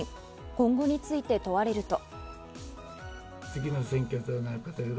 今後について問われると。